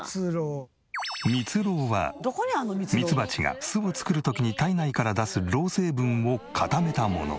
蜜ろうはミツバチが巣を作る時に体内から出すロウ成分を固めたもの。